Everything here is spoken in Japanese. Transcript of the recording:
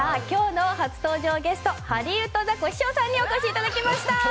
今日の初登場ゲスト、ハリウッドザコシショウさんにお越しいただきました。